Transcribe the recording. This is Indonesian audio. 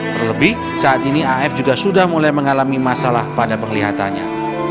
terlebih saat ini af juga sudah mulai mengalami masalah pada penglihatannya